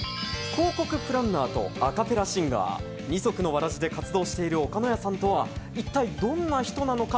広告プランナーとアカペラシンガー、二足のわらじで活動している、おかのやさんとは一体どんな人なのか。